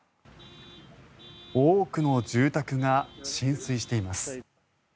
多くの住宅が浸水しています。